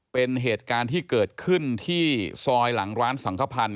เป็นเหตุการณ์ที่เกิดขึ้นที่ซอยหลังร้านสังขพันธ์